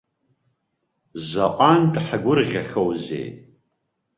Заҟантә ҳгәырӷьахьоузеи?